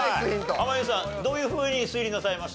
濱家さんどういうふうに推理なさいました？